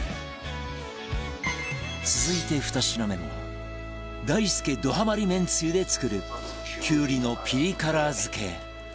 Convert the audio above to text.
続いて２品目も大輔どハマりめんつゆで作るきゅうりのピリ辛漬け